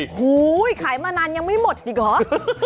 โอ้โหขายมานานยังไม่หมดอีกเหรอ